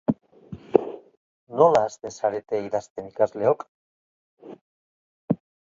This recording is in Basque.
Nola hasten zarete idazten ikasleok?